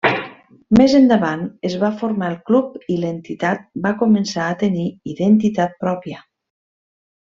Més endavant es va formar el club i l'entitat va començar a tenir identitat pròpia.